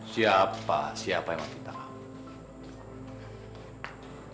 siapa siapa yang mau pinta kamu